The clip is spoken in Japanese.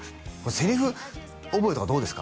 セリフ覚えとかどうですか？